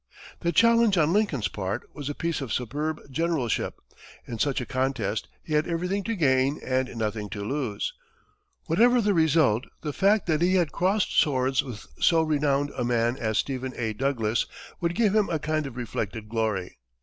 The challenge on Lincoln's part was a piece of superb generalship. In such a contest, he had everything to gain and nothing to lose. Whatever the result, the fact that he had crossed swords with so renowned a man as Stephen A. Douglas would give him a kind of reflected glory.